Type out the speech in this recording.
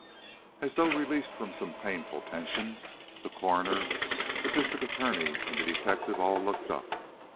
As though released from some painful tension, the coroner, the District Attorney, and the detective all looked up.